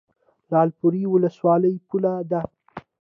لعل پورې ولسوالۍ پوله ده؟